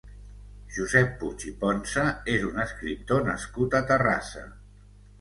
Josep Puig i Ponsa és un escriptor nascut a Terrassa.